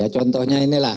ya contohnya inilah